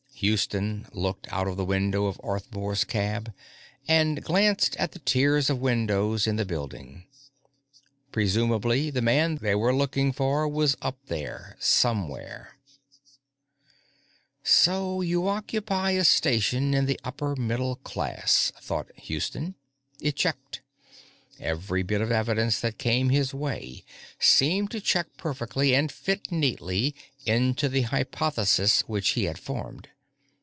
Houston looked out of the window of Arthmore's cab and glanced at the tiers of windows in the building. Presumably, the man they were looking for was up there somewhere. So you occupy a station in the upper middle class, thought Houston. It checked. Every bit of evidence that came his way seemed to check perfectly and fit neatly into the hypothesis which he had formed.